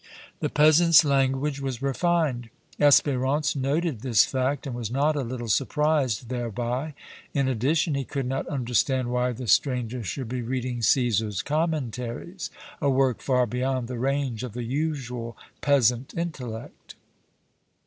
The peasant's language was refined; Espérance noted this fact and was not a little surprised thereby; in addition, he could not understand why the stranger should be reading "Cæsar's Commentaries," a work far beyond the range of the usual peasant intellect.